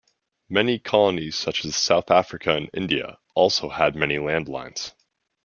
Many colonies such as South Africa and India also had many land lines.